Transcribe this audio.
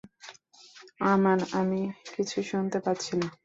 আমান আমি কিছু শুনতে পাচ্ছি না।